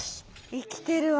生きてるわ。